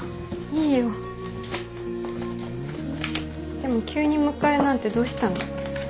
でも急に迎えなんてどうしたの？